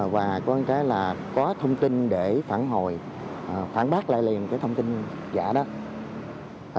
và có thông tin để phản hồi phản bác lại liền cái thông tin giả đó